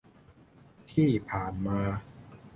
ที่ผ่านมา